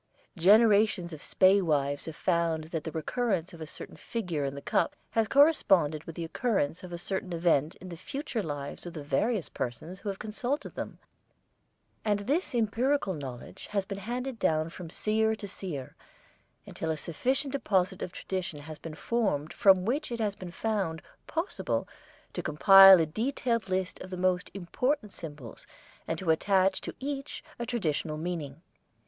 Generations of spae wives have found that the recurrence of a certain figure in the cup has corresponded with the occurrence of a certain event in the future lives of the various persons who have consulted them: and this empyrical knowledge has been handed down from seer to seer until a sufficient deposit of tradition has been formed from which it has been found possible to compile a detailed list of the most important symbols and to attach to each a traditional meaning.